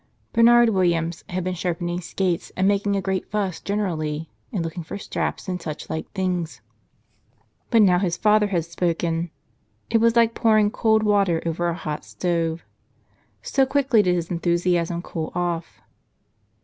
Bernard Williams had been sharpening skates and making a great fuss generally, in looking for straps and such like things. But now his father had spoken. It was like pour¬ ing cold water over a hot stove. So quickly did his enthusiasm cool off.